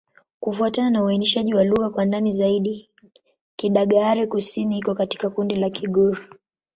Kufuatana na uainishaji wa lugha kwa ndani zaidi, Kidagaare-Kusini iko katika kundi la Kigur.